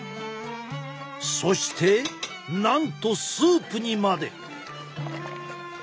そしてなんとスープにまで。